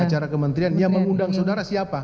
acara kementerian dia mengundang saudara siapa